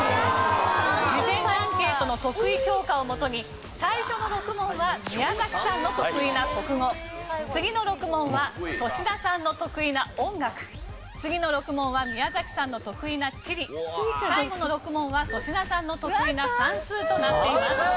事前アンケートの得意教科をもとに最初の６問は宮崎さんの得意な国語次の６問は粗品さんの得意な音楽次の６問は宮崎さんの得意な地理最後の６問は粗品さんの得意な算数となっています。